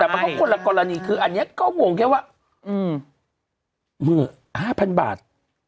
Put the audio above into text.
แต่มันก็คนละกรณีคืออันนี้ก็งงแค่ว่า๑๕๐๐๐บาท